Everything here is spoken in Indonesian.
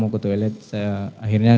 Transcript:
mau ke toilet saya akhirnya